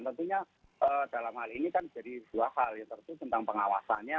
tentunya dalam hal ini kan jadi dua hal ya tentu tentang pengawasannya